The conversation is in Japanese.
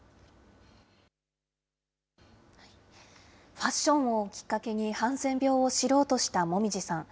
ファッションをきっかけに、ハンセン病を知ろうとした紅葉さん。